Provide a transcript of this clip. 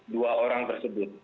dua orang tersebut